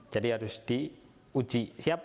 jadi harus diuji